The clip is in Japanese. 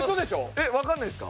えっわかんないですか？